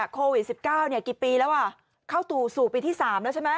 โควิด๑๙กี่ปีแล้วเข้าสู่ปีที่๓แล้วใช่ไหม